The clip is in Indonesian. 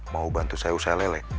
mau bantu saya usaha lele